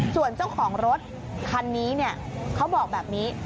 ส่วนเจ้าของรถคันนี้เนี่ยเขาบอกแบบนี้